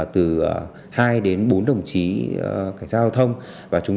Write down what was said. từ hai đến bốn đồng chí cảnh sát giao thông